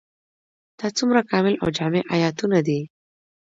دا څومره کامل او جامع آيتونه دي ؟